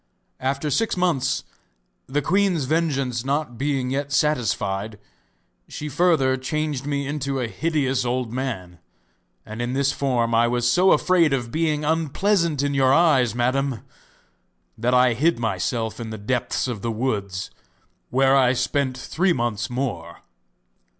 After six months, the queen's vengeance not being yet satisfied, she further changed me into a hideous old man, and in this form I was so afraid of being unpleasant in your eyes, Madam, that I hid myself in the depths of the woods, where I spent three months more.